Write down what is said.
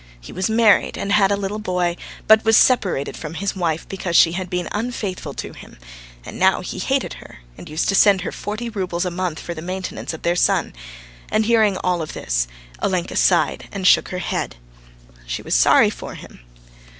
He was married and had a little boy, but was separated from his wife because she had been unfaithful to him, and now he hated her and used to send her forty roubles a month for the maintenance of their son. And hearing of all this, Olenka sighed and shook her head. She was sorry for him.